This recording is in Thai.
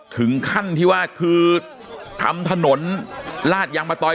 ถึงขั้นที่ว่าคือทำถนนลาดยางมะตอย